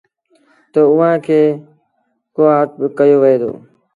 تا اُئآݩ کي ڪوآٽ با ڪهيو وهي دو۔